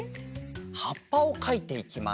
はっぱをかいていきます。